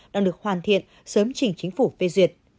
đang được hoàn thiện sớm chỉnh chính phủ phê duyệt